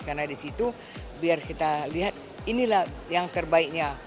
karena di situ biar kita lihat inilah yang terbaiknya